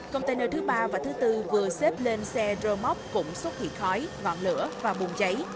container thứ ba và thứ bốn vừa xếp lên xe drone mốc cũng xuất hiện khói vọng lửa và bùng cháy